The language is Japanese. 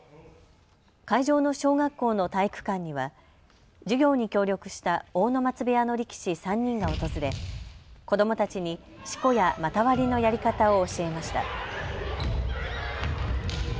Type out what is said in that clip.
会場の小学校の体育館には授業に協力した阿武松部屋の力士３人が訪れ、子どもたちに、しこや股割りのやり方を教えました。